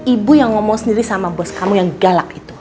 ibu yang ngomong sendiri sama bos kamu yang galak gitu